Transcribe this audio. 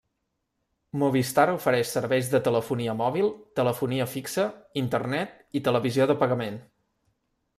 Movistar ofereix serveis de telefonia mòbil, telefonia fixa, Internet i televisió de pagament.